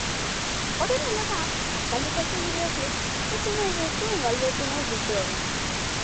Hori dela eta, aspaldiko zein bideoklip ikusi nahi duzuen galdetu nahi dizuegu.